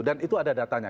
dan itu ada datanya